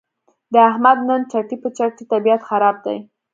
د احمد نن چټي په چټي طبیعت خراب دی.